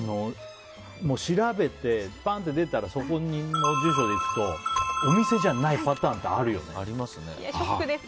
調べて、バンって出たらそこのビルに行くとお店じゃないパターンあるよね。